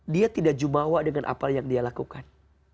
dia tidak jumawa dengan apa yang dia lakukan